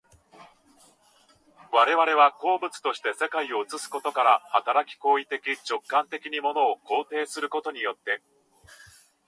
我々は個物として世界を映すことから働き、行為的直観的に物を構成することによって、